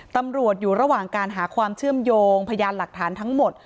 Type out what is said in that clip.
ตำรวจอยู่ระหว่างการหาความเชื่อมโยงพยานหลักฐานทั้งหมด